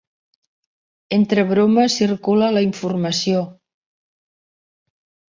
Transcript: Entre bromes circula la informació.